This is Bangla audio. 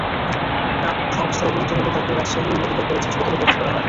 পরে অবস্থার অবনতি হলে তাঁকে রাজশাহী মেডিকেল কলেজ হাসপাতালে ভর্তি করা হয়।